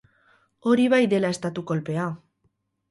Hori bai dela estatu kolpea.